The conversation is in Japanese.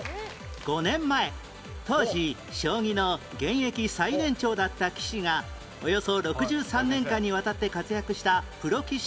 ５年前当時将棋の現役最年長だった棋士がおよそ６３年間にわたって活躍したプロ棋士から引退